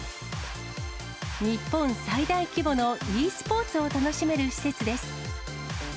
日本最大規模のｅスポーツを楽しめる施設です。